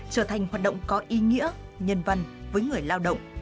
trở thành hoạt động có ý nghĩa nhân văn với người lao động